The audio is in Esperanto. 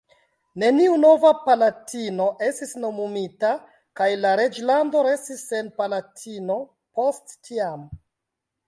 Neniu nova palatino estis nomumita, kaj la reĝlando restis sen palatino post tiam.